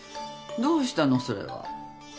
どうしたのそれは。